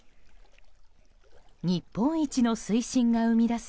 日本一の水深が生み出す